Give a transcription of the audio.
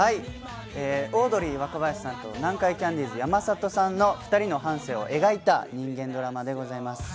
オードリー・若林さんと南海キャンディーズ・山里さんの２人の半生を描いた人間ドラマでございます。